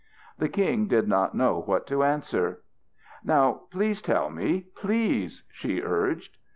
The king did not know what to answer. "Now please tell me, please," she urged.